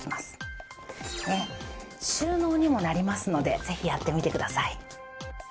収納にもなりますのでぜひやってみてください。